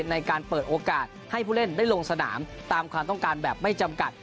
ในการเปิดโอกาสให้ผู้เล่นได้ลงสนามตามความต้องการแบบไม่จำกัด